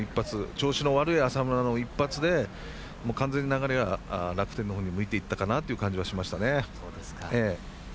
調子の悪い浅村の一発で完全に流れが楽天のほうに向いていったかなって感じがしますね。